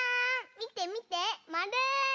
みてみてまる！